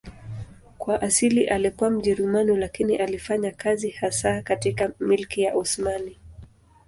Kwa asili alikuwa Mjerumani lakini alifanya kazi hasa katika Milki ya Osmani.